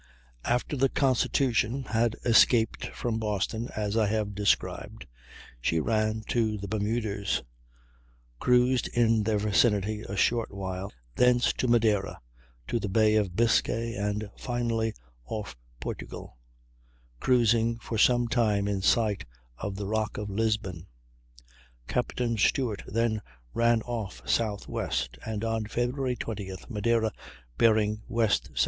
Naval Academy Museum)] After the Constitution had escaped from Boston, as I have described, she ran to the Bermudas, cruised in their vicinity a short while, thence to Madeira, to the Bay of Biscay, and finally off Portugal, cruising for some time in sight of the Rock of Lisbon. Captain Stewart then ran off southwest, and on Feb. 20th, Madeira bearing W. S. W.